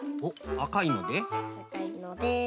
あかいので。